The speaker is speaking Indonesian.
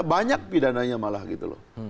banyak pidananya malah gitu loh